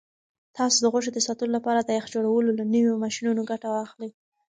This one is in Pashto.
تاسو د غوښې د ساتلو لپاره د یخ جوړولو له نویو ماشینونو ګټه واخلئ.